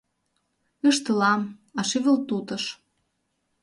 Ыштылам, а шӱвыл тутыш